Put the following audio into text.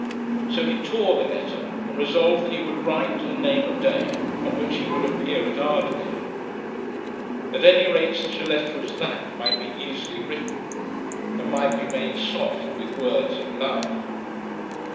So he tore the letter, and resolved that he would write and name a day on which he would appear at Ardkill. At any rate such a letter as that might be easily written, and might be made soft with words of love.